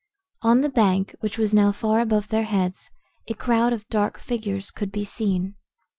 On the bank, which was now far above their heads, a crowd of dark figures could be seen.